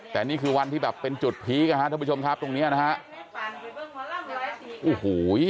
แต่นี่คือวันที่เป็นจุดพีคทุกผู้ชมครับตรงนี้นะครับ